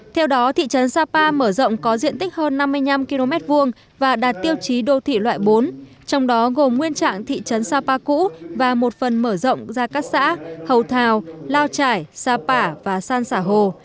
theo đó thị trấn sapa mở rộng có diện tích hơn năm mươi năm km hai và đạt tiêu chí đô thị loại bốn trong đó gồm nguyên trạng thị trấn sapa cũ và một phần mở rộng ra các xã hầu thào lao trải sapa và san xả hồ